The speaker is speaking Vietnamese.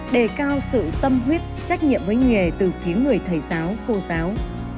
đề cao sự tâm huyết trách nhiệm với nghề từ phía người thầy giáo cô giáo